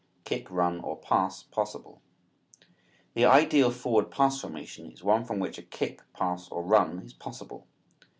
KICK, RUN OR PASS POSSIBLE. The ideal forward pass formation is one from which a kick, pass or run is possible.